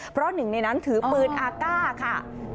เพราะหนึ่งในนั้นถือปืนอาก้าค่ะ